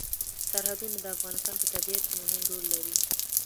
سرحدونه د افغانستان په طبیعت کې مهم رول لري.